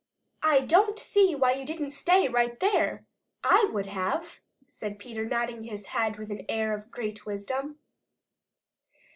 "I don't see why you didn't stay right there. I would have," said Peter, nodding his head with an air of great wisdom.